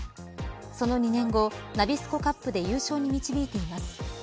その２年後、ナビスコカップで優勝に導いています。